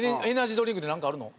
ドリンクでなんかあるの？